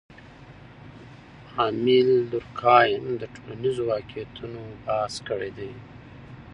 امیل دورکهایم د ټولنیزو واقعیتونو بحث کړی دی.